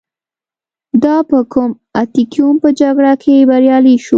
دا په اکتیوم په جګړه کې بریالی شو